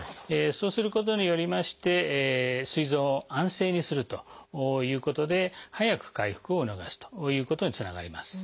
そうすることによりましてすい臓を安静にするということで早く回復を促すということにつながります。